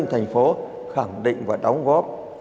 thành phố khẳng định và đóng góp